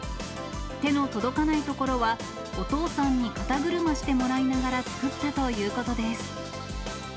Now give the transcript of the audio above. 手の届かない所は、お父さんに肩車してもらいながら作ったということです。